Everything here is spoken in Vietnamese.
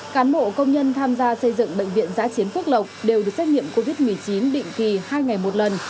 cán bộ công nhân tham gia xây dựng bệnh viện giã chiến phước lộc đều được xét nghiệm covid một mươi chín định kỳ hai ngày một lần